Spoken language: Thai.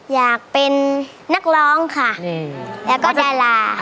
อยากเป็นนักร้องค่ะแล้วก็ดาราค่ะ